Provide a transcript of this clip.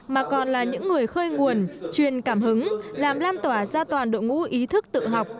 mà còn là những người khơi nguồn truyền cảm hứng làm lan tỏa ra toàn đội ngũ ý thức tự học